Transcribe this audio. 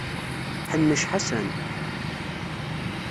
Ḥennec Ḥasan.